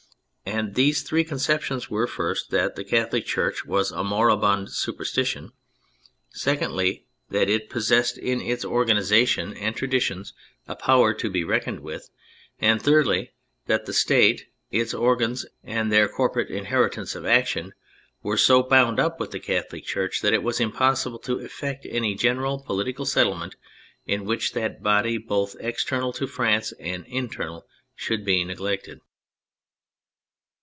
And these three conceptions were, first, that the Catholic Church was a mori bund superstition, secondly, that it possessed k 236 THE FRENCH REVOLUTION in its organisation and tradition a power to be reckoned with, and thirdly, that the State, its organs, and their corporate inheritance of action, were so bound up with the CathoHc Church that it was impossible to effect any general political settlement in which that body both external to France and internal, should be neglected.